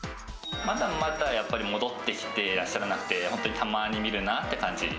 まだまだやっぱり戻ってきてらっしゃらなくて、本当にたまに見るなって感じ。